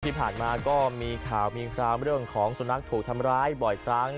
ที่ผ่านมาก็มีข่าวมีคราวเรื่องของสุนัขถูกทำร้ายบ่อยครั้ง